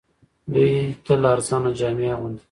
دوی تل ارزانه جامې اغوندي